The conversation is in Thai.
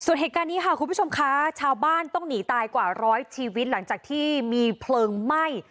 ส่วนเหตุการณ์นี้ค่ะคุณผู้ชมค่ะชาวบ้านต้องหนีตายกว่าร้อยชีวิตหลังจากที่มีเพลิงไหม้